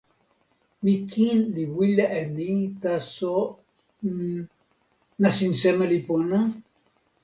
mi kin li wile e ni, taso, n... nasin seme li pona?